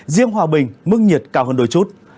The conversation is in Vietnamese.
riêng hòa bình mức nhiệt cao hơn đôi chút